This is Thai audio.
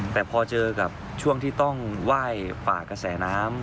แต่พอเจอกับช่วงที่ต้องไหว้ฝากกระแสน้ำ